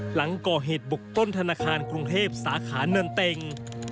หลังก่อเหตุบุกต้นธนาคารกรุงเทพสาขาเนินเต็ง